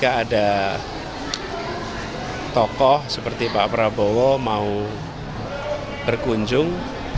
ada tokoh seperti pak prabowo mau berkunjung